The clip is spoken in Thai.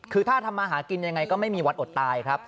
คือถ้าทำมาหากินยังไงก็ไม่มีวันอดตายครับ